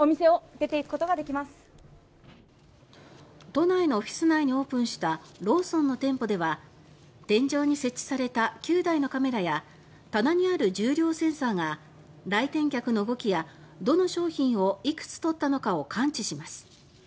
都内のオフィス内にオープンしたローソンの店舗では天井に設置された９台のカメラや棚にある重量センサーが来店客の動きやどの商品をいくつ取ったのかを感知します。